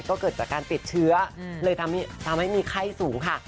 ก็เกิดจากการติดเชื้อเลยทำให้มีไข้สูงค่ะ